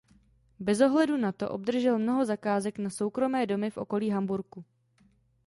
Bez ohledu na to obdržel mnoho zakázek na soukromé domy v okolí Hamburku.